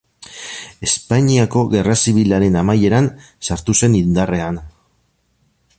Espainiako Gerra Zibilaren amaieran sartu zen indarrean.